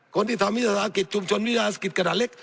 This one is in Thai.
คนที่ทำวิทยาศาสตร์อาคิดชุมชนวิทยาศาสตร์อาคิดกระดาษเล็ก